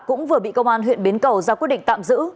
cũng vừa bị công an huyện bến cầu ra quyết định tạm giữ